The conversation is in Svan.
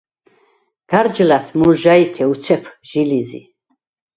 გარჯ ლას მჷლჟაჲთე უცეფ ჟი ლი̄ზი.